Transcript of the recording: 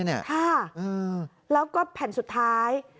ค่ะแล้วก็แผ่นสุดท้าย